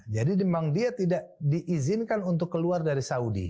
jadi memang dia tidak diizinkan untuk keluar dari saudi